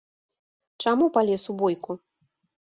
Чаму палез у бойку?